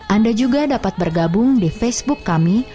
anda juga dapat bergabung di facebook kami